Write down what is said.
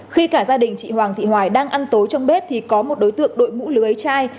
khi cả gia đình chị hoàng thị hoài đang ăn tối trong bếp thì có một đối tượng đội mũ lưới chai